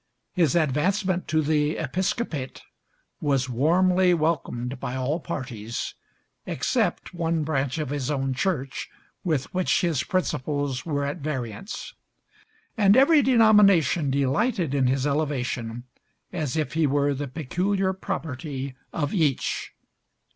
His advancement to the episcopate was warmly welcomed by all parties, except one branch of his own church with which his principles were at variance, and every denomination delighted in his elevation as if he were the peculiar property of each.